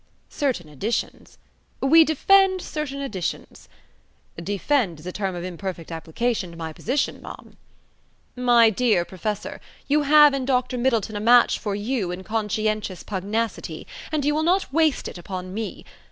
"Certain editions." "We defend certain editions." "Defend is a term of imperfect application to my position, ma'am." "My dear Professor, you have in Dr. Middleton a match for you in conscientious pugnacity, and you will not waste it upon me.